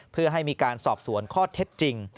เพื่อให้มีการสอบสวนข้อเท็จจริง